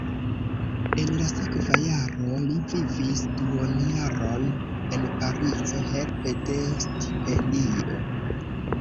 En la sekva jaro li vivis duonjaron en Parizo helpe de stipendio.